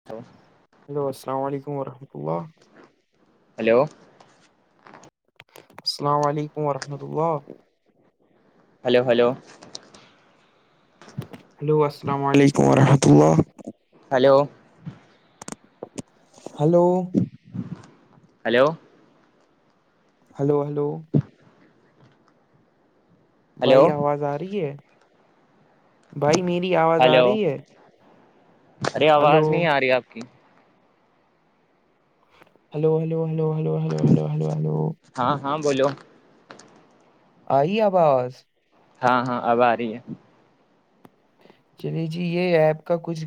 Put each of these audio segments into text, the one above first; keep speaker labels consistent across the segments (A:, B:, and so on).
A: ہ
B: ہیلو السلام علیکم وحمۃ اللہ
A: ہلو
B: السلام علیکم وورحمۃ اللہ
A: ہلو ہلو
B: ہلو السلام علیکم وورحمۃ اللہ
A: hello
B: hello
A: hello
B: hello hello بھائی
A: ہلو
B: آواز آ رہی ہے بھائی میری آواز آ
A: ہلو
B: رہی ہے
A: ارے
B: ہلو
A: آواز نہیں آ رہی آپ کی
B: hello hello hello hello hello hello ہو ہلو
A: ہاں ہاں بولو
B: آئی آب آواز
A: ہاں ہاں اب آ رہی ہے
B: چلیے جی یہ ایپ کا کچھ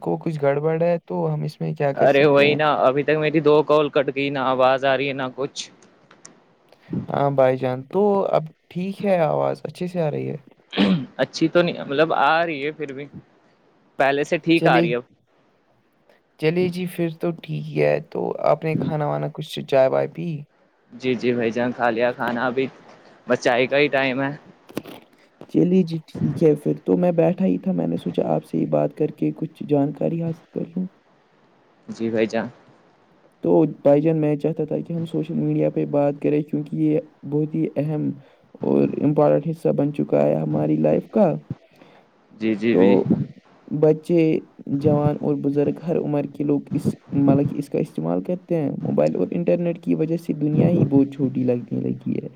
B: کو کچھ گڑبڑ ہے تو ہم اس میں کیا کر
A: ہے ارے
B: سکتے
A: وہی
B: ہیں
A: نا ابھی تک میری دو کال کٹ گئی نہ آواز آ رہی ہے نہ کچھ
B: ہاں بھائی جان تو اب ٹھیک ہے آواز اچھے سے آ رہی ہے
A: اچھی تو نہیں مطلب آ رہی ہے پھر بھی پہلے سے ٹھیک آ
B: چلیے
A: رہی ہے اب
B: چلیے جی پھر تو ٹھیک ہے تو آپ نے کھانا وانا کچھ چائے وائے پی
A: جی جی بھائی جان کھا لیا کھانا ابھی بچائی کا ہی ٹائم ہے
B: چلیے جی ٹھیک ہے پھر تو میں بیٹھا ہی تھا میں نے سوچا آپ سے ہی بات کر کے کچھ جانکاری حاصل کرش
A: جی بھائی جان
B: تو بھائی جان میں چاہتا تھا کہ ہم سوشل میڈیا پہ بات کریں کیونکہ یہ بہت ہی اہم اور امپورٹنٹ حصہ بن چکا ہے ہماری لائف کا
A: جی جی
B: تو
A: بھی
B: بچے جوان اور بزرگ ہر عمر کے لوگ اس کا استعمال کرے موبائل اور انٹرنیٹ کی وجہ سے دنیا ہی بہت چھوٹی لگنے لگی ہے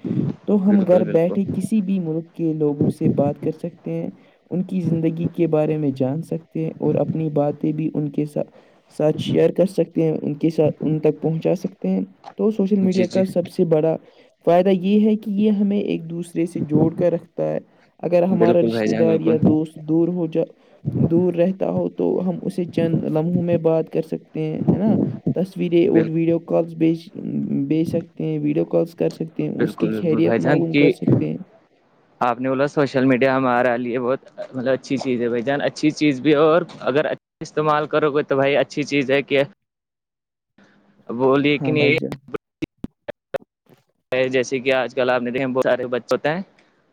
B: تو ہم
A: بالکل
B: گھر بیٹھے
A: بالکل
B: کسی بھی ملک کے لوگوں سے بات کر سکتے ہیں ان کی زندگی کے بارے میں جان سکتے ہیں اور اپنی باتیں بھی ان کے ساتھ ساتھ شیئر کر سکتے ہیں ان کے ان تک پہنچا سکتے ہیں تو سوشل
A: جی
B: میڈیا
A: جی
B: کا سب سے بڑا فائدہ یہ ہے کہ یہ ہمیں ایک دوسرے سے جوڑ کر رکھتا ہے اگر ہمارا
A: بالکل بھائی
B: رشتتے
A: جان
B: دار
A: بالکل
B: یا دوست دور ہو جا دور رہتا ہو تو ہم اسے چند لمحوں میں بات کر سکتے ہیں ہے نا تصویریں اور
A: بالکل
B: ویڈیو کالس بیچ بیج سکتے ہیں ویڈیو کالس کر سکتے اس کی
A: بالکل بالکل بھائی
B: خیریت
A: جان
B: معگوم
A: کی
B: کر سکتے ہیں
A: آپ نے بولا سوشل میڈیا ہمارے لیے بہت مطلب اچھی چیز ہے بھائی جان اچھی چیز بھی ہو اور اگر اچ استعمال کرو گے تو بھائی اچھی چیز ہے کہ بلیے کہ
B: ہاں
A: نہیں
B: بھائی
A: یہ
B: جان
A: جیسے کہ آج کل آپ نے دیکھ بہت سارے بچے ہوتے ہیں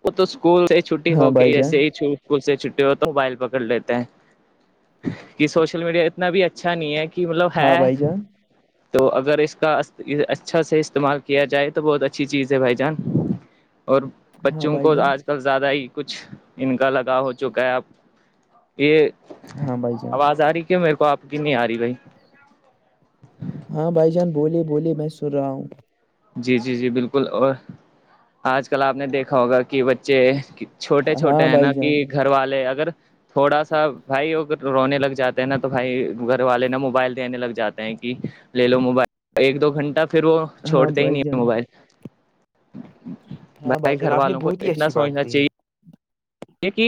A: وہ تو اسکول چھٹی
B: ہاں
A: ہو کے
B: بھائی جان
A: ایسے ہی چ اسکول سے چھٹی ہو تو ہے موبائل پکڑ لیتے ہیں کہ سوشل میڈیا اتنا بھی اچھا نہیں ہے کہ مطلب
B: ہاں
A: ہے
B: بھائی جان
A: تو اگر اس کا اچھا سے استعمال کیا جائے تو بہت اچھی چیز ہے بھائی جان اور
B: ہاں
A: بچوں
B: بھائی
A: کو
B: جان
A: آج سب زیادہ ہی کچھ ان کا لگاؤ ہو چکا ہے اب یہ
B: ہاں بھائی جان
A: آواز آ رہی کی میرے کو آپ کی نہیں آ رہی بھائی
B: ہاں بھائی جان بولیے بولیے میں سن رہا ہوں
A: جی جی جی بالکل اور آج کل آپ نے دیکھا ہوگا کہ بچے چھوٹے چھوٹے
B: ہاں
A: ہیں
B: بھائی
A: نا کہ
B: جان
A: گھر والے اگر تھوڑا سا بھائی ا رونے لگ جاتے ہیں نا تو بھائی گھر والے نا موبائل دینے لگ جاتے ہیں کہ لے لو موبائل ایک دو گھنٹہ پھر وہ
B: ہاں
A: چھوڑتے ہی نہیں
B: بھائی
A: ہیں
B: جان
A: موبائل
B: ہاں
A: بھائی
B: جان
A: گھر
B: آپ نے
A: والوں کو
B: بہت ہی
A: اتنا
B: اچھی بات
A: سوچنا
B: کہی
A: چاہیے یہ کہ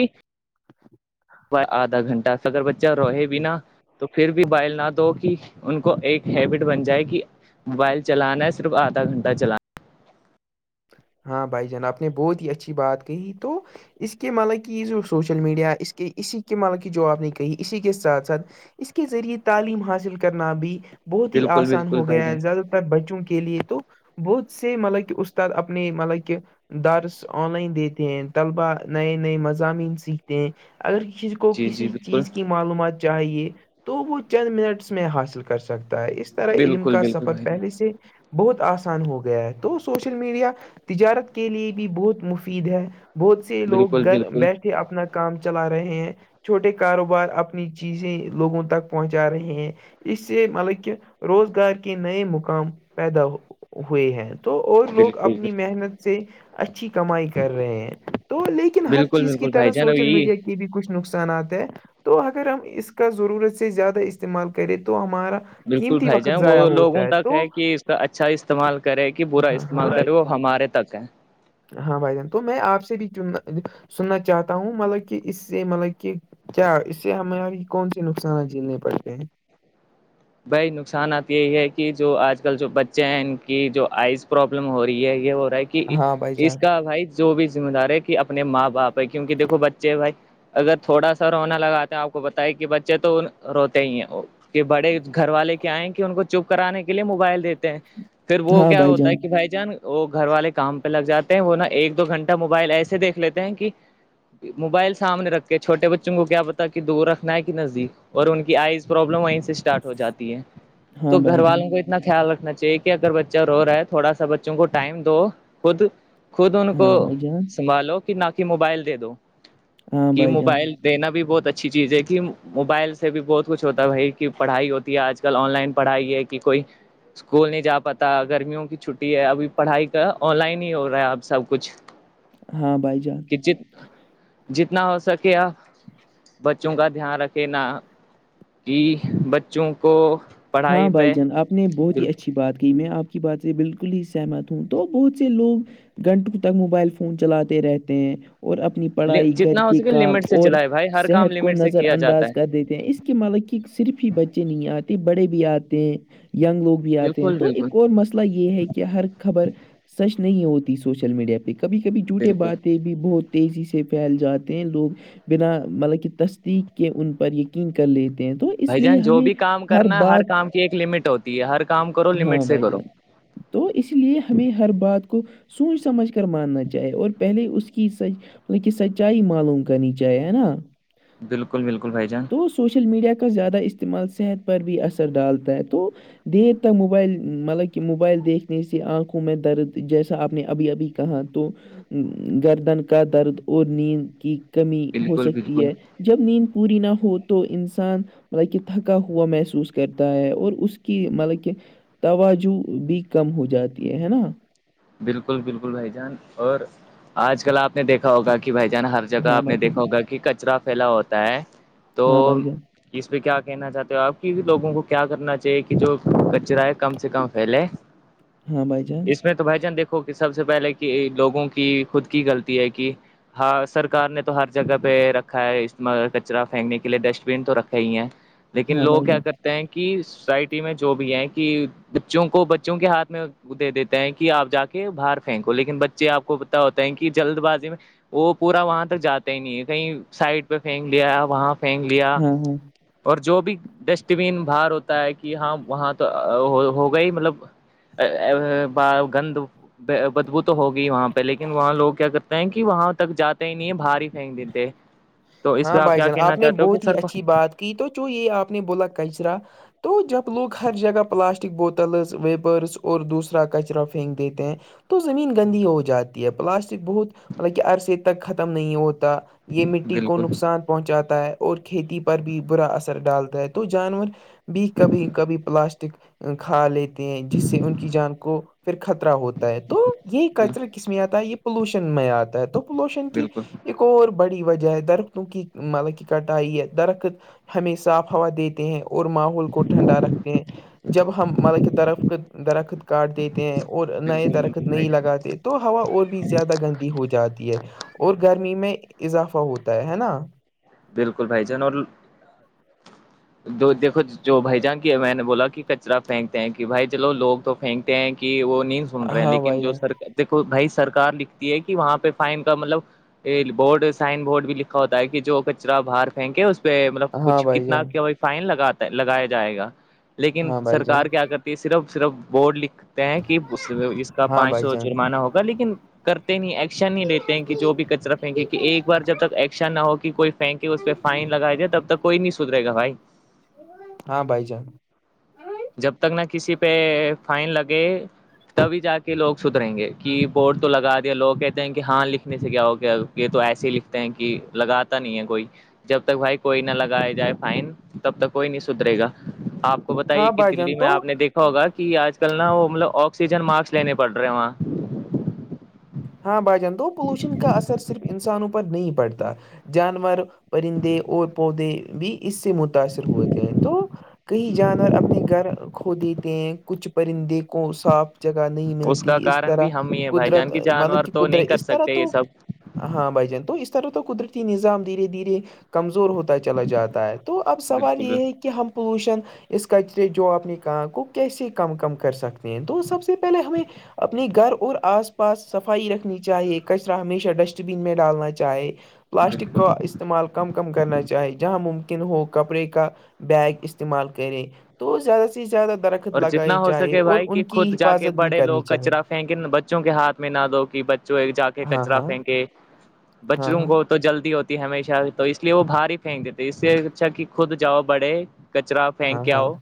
A: آدھا گھنٹہ اگر بچہ رہے بھی نا تو پھر بھی بائل نہ دو کہ ان کو ایک ہیبٹ بن جائے کہ موبائل چلانا ہے صرف آھا گھنٹہ چلانا
B: ہاں بھائی جان آپ نے بہت ہی اچھی بات کہی تو اس کے مالک کی یہ جو سوشل میڈیا اس کے اسی کے مالک کی جو آپ نے کہی اسی کے ساتھ ساتھ اس کے ذریعے تعلیم حاصل کرنا بھی بہت ہی
A: بالکل
B: آسان
A: بالکل
B: ہو
A: بھائی
B: گیا
A: جان
B: ہے زیادہ بچوں کے لیے تو بہت سے مطلب کہ استاد اپنے مطلب کہ دارس آن لائن دیتے ہیں طلبا نئے نئے مضامین سیکھتے ہیں اگر کو
A: جی جی
B: کسی
A: بالکل
B: چیز کی معلومات چاہیے تو وہ چند منٹس میں حاصل کر سکتا ہے اس طرح علم
A: بالکل
B: کا
A: بالکل
B: سفر
A: بھائی
B: پہلے سے بہت آسان ہو گیا ہے تو سوشل میڈیا تجارت کے لیے بھی بہت مفید ہے بہت سے لوگ
A: بالکل
B: گھر
A: بالکل
B: بیٹھے اپنا کام چلا رہے ہیں چھوٹے کاروبار اپنی چیزیں لوگوں تک پہنچا رہے ہیں اس سے مطلب کہ روزگار کے نئے مقام پیدا ہوئے ہیں تو اور لوگ
A: بالکل
B: اپنی محنت سے اچھی کمائی کر رہے ہیں تو لیکن ہر
A: بالکل
B: چیز کی
A: بالکل بھائی
B: طرح
A: جان اب
B: سوشل
A: یہی
B: میڈیا کی یہ بھی کچھ نقصانات ہے تو اگر ہم اس کا ضرورت سے زیادہ استعمال کریں تو ہمارا
A: بالکل
B: قیمتی
A: بھائی
B: وقت
A: جان
B: ضائع
A: وہ لوگوں
B: ہوتا
A: تک
B: تو
A: ہے کہ کا اچھا استعمال کرے کہ برا
B: ہاں ہاں
A: استعمال کرے
B: پورا
A: وہ ہمارے تک ہے
B: ہاں بھائی جان تو میں آپ سے بھی سننا چاہتا ہوں مطلب کہ اس سے مطلب کہ کیا اس سے ہمیںاری کون سی نقصانات جھیلنے پڑتے ہیں
A: بھائی نقصانات یہی ہے کہ جو آج کل جو بچے ہیں ان کی جو آئز پرابلم ہو رہی ہے یہ ہو رہا ہے کہ کہ
B: ہاں بھائی
A: اس
B: جان
A: کا بھائی جو بھی ذمہ دار ہے کہ اپنے ماں باپ ہے کیونکہ دیکھو بچے بھائی اگر تھوڑا سا رونا لگاے ہیں آپ کو بتائی کہ بچے تو روتے ہی ہیں کہ بڑے گھر والے کیا آئے کہ ان کو چپ کرانے کے لیے موبائل دیتے ہیں پھر وہ
B: ہاں
A: کیا
B: بھائی
A: ہوتا
B: جان
A: ہے کہ بھائی جان وہ گھر والے کام پہ لگ جاتے ہیں وہ نا ایک دو گھنٹہ موبائل ایسے دھ لیتے ہیں کہ موبائل سامنے رکھے چھوٹے بچوں کو کیا پتا کہ دور رکھنا ہے کہ نزدیک اور ان کی آئز پروابلم وہیں سے اسٹارٹ ہو جاتی ہے
B: ہاں
A: تو گھر
B: بھائی جان
A: والوں کو اتنا خیال رکھنا چاہیے کہ اگر بچہ رو رہا ہے تھوڑا سا بچوں کو ٹائم دو خود خود ان کو
B: ہاں بھائی جان
A: سنبھالو کہ نہ کہ موبائل دے دو
B: ہاں
A: کہ
B: بھائی جان
A: موبائل دینا بھی بہت اچھی چیز ہے کہ موبائل سے بھی بہت کچھ ہوتا ہے بھائی کہ پڑھائی ہوتی ہے آج کل آن لائن پڑھائی ہے کہ کوئی اسکول نہیں جا پاتا گرمیوں کی چھٹی ہے ابھی پڑھائی کا آن لائن ہی ہو رہا ہے اب سب کچھ
B: ہاں بھائی جان
A: کہ ج جتنا ہو سکے آپ بچوں کا دھیان رکھے نا کہ بچوں کو
B: ہاں
A: پڑھائی
B: بھائی
A: پہ
B: جان آپ نے بہت
A: بالکل
B: ہی اچھی بات کہ میں آپ کی بات سے بالکل ہی سہمت ہوں تو بہت سے لوگ گھنٹوں تک موبائل فون چلاتے رہتے ہیں اور اپنی پڑھائی گھر
A: جتنا ہو
B: کے
A: سکے
B: کام
A: لمٹ سے
B: اور
A: چلائے بھائی ہر کام
B: صحت کو
A: لمٹ سے
B: نظر
A: کیا جاتا
B: انداز
A: ہے
B: کر دیتے ہیں اس کے مالک کے صرف ہی بچے نہیں آتے بڑے بھی آتے ہیں یگ لوگ آتے ہیں
A: بالکل
B: تو
A: بالکل
B: ایک اور مسئلہ یہ ہے کہ ہر خبر سچ نہیں ہوتی سوشل میڈیا پہ کبھی کبھی جھوٹے
A: بالکل
B: باتیں بھی بہت تیزی سے پھیل جاتے ہیں لوگ بنا مطلب کہ تصدیق کے ان پر یقین کر لیتے ہیں تو
A: بھ
B: اس لیے
A: جان جو
B: ہمیں
A: بھی کام کرنا ہے ہر
B: بات
A: کام کی ایک لمٹ ہوتی ہے ہر کام کرو لمٹ
B: ہاں
A: سے
B: بھائی
A: کرو
B: جان تو اس لیے ہمیں ہر بات کو سوچ سمجھ کر ماننا چاہے اور پہلے اس کی سج مطلب کہ سچائی معلوم کرنی چاہیے ہے نا
A: بالکل بالکل بھائی جان
B: تو سوشل میڈیا کا زیادہ استعمال صحت پر بھی اثر ڈالتا ہے تو دیرتا موبائل مطلب کہ موبائل دیکھنے سے آنکھوں میں درد جیسا آپ نے ابھی ابھی کہاں تو گردن کا درد اور نیند کی کمی ہو
A: بالکل
B: سکتی
A: بالکل
B: ہے جب نیند پوری نہ ہو تو انسان مطلب کہ تھکا ہو ہوا محسوس کرتا ہے اور اس کی مطلب کہ توج بھی کم ہو جاتی ہے ہے نا
A: بالکل بالکل بھائی جان اور آج کل آپ نے دیکھا ہوگا کہ کہ بھائی جان ہر جگہ
B: ہاں
A: آپ نے
B: بھائی جان
A: دیکھا ہوگا کہ کچرا پھیلا ہوتا ہے تو
B: ہاں بھائی جان
A: اس پہ کیا کہنا چاہتے ہو آپ کی لوگوں کو کیا کرنا چاہیے کہ جو کچرا ہے کم سے کم پھیلے
B: ہاں بھائی چان
A: اس میں تو بھائی جان دیکھو کہ سب سے پہلے کہ لوگوں کی خود کی غلطی ہے کہ ہاں سرکار نے تو ہر جگہ پہ رکھا ہے استعمال کچرا پھینکنے کے لیے ڈسٹ بین تو رکھے ہی ہیں لیکن
B: ہاں
A: لوگ
B: بھائی
A: کیا
B: جان
A: کرتے ہیں کہ سوسائٹی میں جو بھی ہیں کہ بچوں کو بچوں کے ہاتھ میں دے دیتے ہیں کہ کہ آپ جا کے باہر پھینکو لیکن بچے آپ کو پتتا ہوتا ہیں کہ جلد بازی میں وہ پورا وہاں تک جاتا ہی نہیں ہے کہیں سائڈ پہ پھینک لیا وہاں پھینک لیا
B: ہاں ہاں
A: اور جو بھی ڈسٹ بین بر ہوتا ہے کہ ہاں وہاں تو ہو گا ہی مطلب ا ب گند بدبو تو ہوگی وہاں پہ لیکن وہاں لوگ کیا کرتے ہیں کہ وہاں تک جاتے ہی نہیں ہے بھاری پھینک دیتے تو اس پہ
B: ہاں بھائی
A: کیا
B: جان
A: کہنا
B: آپ نے
A: چاہتے ہو کہ
B: بہت ہی
A: سر کو
B: اچھی بات کی تو چ یہ آپ نے بولا کچرا تو جب لوگ ہر جگہ پلاسٹک بوتلز ویپرس اور دوسرا کچرا پھینک دیتے ہیں تو زمین گندی ہو جاتی ہے پلاسٹک بہت مطلب کہ عرصے تک ختم نہیں ہوتا یہ مٹی کو
A: بالکل
B: نقصان پہنچاتا ہے اور کھیتی پر بھی برا اثر ڈالتا ہے تو جانور بھی کبھی کبھی پلاسٹک کھا لی ہیں جس سے ان کی جان کو پھر خطرہ ہوتا ہے تو یہ
A: بالکل
B: کلچرل کس میں آتا ہے یہ پولوشن میں آتا ہے تو پولوشن کی
A: بالکل
B: ایک اور بڑی وجہ ہے درختوں کی مطلب کی کٹائی ہے درخت ہمیں صاف ہوا دیتے ہیں اور ماحول کو ٹھنڈا رکھتے ہیں جب ہم مطلب کے درخت درخت کاٹ دیتے ہیں اور نئے درخت
A: بالکل بھائی
B: نہیں
A: جان
B: لگاتے تو ہوا اور بھی زیادہ گندی ہو جاتی ہے اور گرمی میں اضافہ ہوتا ہے ہے نا
A: بالکل بھائی جان اور
B: [inaudible]
A: دو دیکھو جو بھائی جان کی میں نے بولا کہ کچرا پھینکتے ہیں کہ بھائی چلو لوگ تو پھینکتے ہیں کہ وہ نیند سن رہے ہیں
B: ہاں
A: لیکن
B: بھائی
A: جو
B: جان
A: سرک دیکو بھائی سرکار لکھتی ہے کہ وہاں پہ فائن کا مطلب یہ بورڈ سائن بورڈ بھی لکھا ہوتا ہے کہ جو ک کچرا باہر پھینکے اس پہ مطلب
B: ہاں
A: کچھ
B: بھائی
A: کتنا
B: جان
A: کیا فائن لگاتا لگایا جائے گا لیکن
B: ہاں بھائی جان
A: سرکار کیا کرتی ہے صرف صرف بورڈ لکھ کہ اس کا
B: ہاں
A: پانچ
B: بھائی
A: سو
B: جان
A: جرمانہ ہوگا لیکن کرتے نہیں ایکشن نہیں لیتے ہیں کہ جو بھی کچرا پھینکے کی ایک بار جب تک ایکشن نہ ہو کہ کوئی پھینک اس پہ فائن لگایا جائے تب تک کوئی نہیں سدھریگا بھائی
B: ہاں بھائی جان
A: جب تک نہ کسی پہ فائن لگے تبھی جا کے لوگ صدریں گے کہ بورڈ تو لگا دیا لوگ کہتے ہیں کہ ہاں لکھنے سے کیا ہو گ یہ تو ایسے ھی لکھتے ہیں کہ لگاتا نہیں ہے کوئی جب تک بھائی کوئی نہ لگایا جائے فائن تب تک کوئی نہیں سدھرے گا آپ وہ بتائیے
B: ہاں
A: کہ
B: بھائی
A: دللی
B: جان۔
A: میں آپ نے
B: تو
A: دیکھا ہوگا کہ آج کل نا وہ مطلب آکسیجن ماسک لینے پڑ رہے ہیں وہاں
B: ہاں بھائی جان تو پولوشن کا اثر صرف انسانوں پر نہیں پڑتا جانور پرندے اور پودے بھی اس سے متاثر ہوتے ہیں تو کہئی جانور اپنے گھر کھو دیتے ہیں کچھ پرندے کو صاف جگہ نہیں
A: کا
B: ملتی اس
A: کارن
B: طرح
A: بھی ہم ہی ہیں بھائی جان
B: قدرت
A: کی جانور
B: مطلب کہ
A: تو نہیں
B: قدرت
A: کر
B: اس طرح
A: سکتے یہ
B: تو
A: سب
B: ہاں بھائی جان تو اس طرح تو قدرتی نظام دھیرے دھیرے کمزور ہوتا چلا جاتا ہے تو اب سوال
A: بالکل
B: یہ ہے
A: بالکل
B: کہ ہم پولوشن اس کچرے جو اپنے کہاں کو کیسے کم کم کر سکتے ہیں تو سب سے پہلے ہمیں اپنے گھر اور آس پاس صفائی رکھنی چاہیے کچرا ہمیشہ ڈسٹ بین میں ڈالنا چاہے پلاسٹک
A: بالکل
B: کا استعمال کم کم کرنا چاہے جہاں مم ہو کپڑے کا بیگ استعمال کریں تو زیادہ سے زیادہ درخت
A: اور جتنا
B: لگانے
A: ہو
B: چاہیے
A: سکے
B: اور
A: بھائی کہ
B: ان کی
A: خود جا کے
B: حفاظت بھی
A: بڑے
B: کرنی
A: لوگ
B: چاہیے
A: کچرا پھینکیں بچوں کے ہاتھ میں نہ دو کہ بچوں ایک جا کے
B: ہاں
A: کچرا
B: ہاں
A: پھینکے
B: ہاں
A: بچوں
B: ہاں
A: کو تو جلدی ہوتی ہے ہمیشہ تو اس لیے وہ بھاری پھینک دیتے اسے اچھا کہ خود جاؤ بڑے کچرا
B: ہاں
A: پھینک
B: ہاں
A: آؤ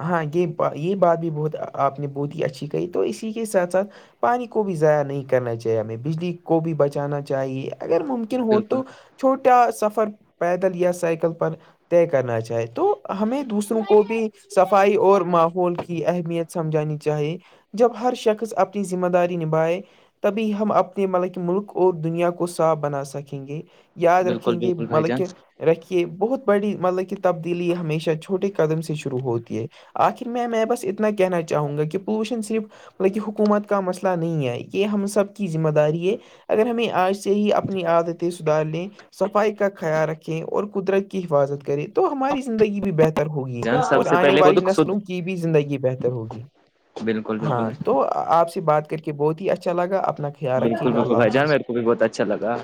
B: ہاں یہ یہ بات بھی بہت آپ نے بہت ہی اچھی کہ تو اسی کے ساتھ ساتھ پانی کو بھی ضائع نہیں کرنا چاہیے ہمیں بجلی کو بھی بچانا چاہیے اگر ممکن ہو
A: بالکل
B: تو چھوٹا سفر پیدل یا سائیکل پر طے کرنا چاہے تو ہمیں دوسروں کو بھی صفائی اور ماحول کی اہمیت سمجھانی چاہیے جب ہر شخص اپنی ذمہ داری نبھائے تبھی ہم اپنے مطلب کہ ملک اور دنیا کو صاف بنا سکیں گے یاد
A: بالکل
B: رکھیں گے
A: بالکل بھائی
B: مطلب
A: جان
B: کہ رکھیے بہت بڑی مطلب کہ تبدیلی ہمیشہ چھوٹے قدم سے و ہوتی ہے آخر میں میں بس اتنا کہنا چاہوں گا کہ پولوشن صرف مطلب کہ حکومت کا مسئلہ نہیں ہے یہ ہم سب کی ذمہ داری ہے اگر ہمیں آج سے ہی اپنی عادتیں سدھار لیں صفائی کا خیال رکھیں اور قدرت کی حفاظت کریں تو ہماری زندگی بھی بہتر ہوگی
A: جان
B: اور
A: سب سے
B: آنے
A: پہلے
B: والی
A: خود خود
B: نسلوں کی بھی زندگی بہتر ہوگی
A: بالکل
B: ہاں
A: بالکل
B: تو آپ سے بات کر کے بہت ہی اچھا لگا اپنا خیال رکھیے
A: بالکل
B: گا
A: بالکل
B: اللہ
A: بھائی جان
B: حافظ
A: میرے بھی بہت اچھا لگا